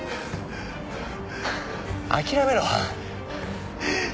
諦めろ。